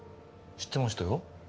知ってましたよ。